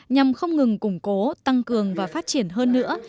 nhằm không ngừng củng cố tăng cường và phát triển hơn nữa